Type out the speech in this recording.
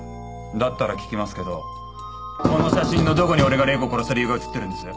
だったら聞きますけどこの写真のどこに俺が礼子を殺した理由が写ってるんです？